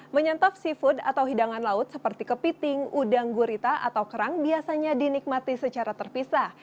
menyantap seafood atau hidangan laut seperti kepiting udang gurita atau kerang biasanya dinikmati secara terpisah